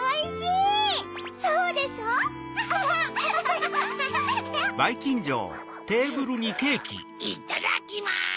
いっただっきます！